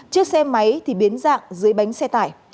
chiếc xe máy biến dạng dưới bánh xe tải